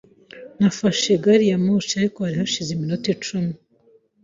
Nafashe gari ya moshi :. Ariko, hari hashize iminota icumi.